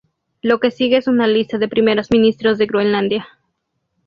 Lo que sigue es una lista de primeros ministros de Groenlandia.